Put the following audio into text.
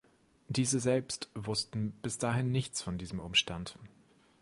Diese selbst wussten bis dahin nichts von diesem Umstand.